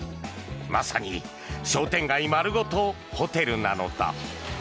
まさに商店街丸ごとホテルなのだ。